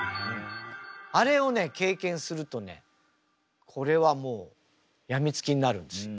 あれをね経験するとねこれはもうやみつきになるんですよ。